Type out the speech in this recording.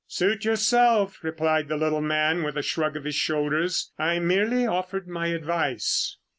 "Suit yourself," replied the little man with a shrug of his shoulders. "I merely offered my advice."